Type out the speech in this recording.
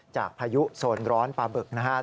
พายุโซนร้อนปลาบึกนะครับ